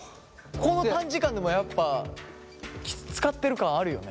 この短時間でもやっぱ使ってる感あるよね？